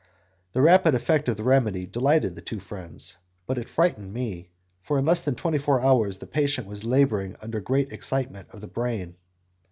The rapid effect of the remedy delighted the two friends, but it frightened me, for in less than twenty four hours the patient was labouring under great excitement of the brain.